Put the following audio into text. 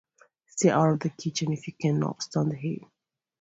Stay out of the kitchen, if you can not stand the heat.